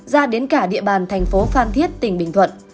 ra đến cả địa bàn thành phố phan thiết tỉnh bình thuận